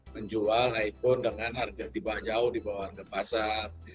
menjual iphone dengan harga jauh di bawah harga pasar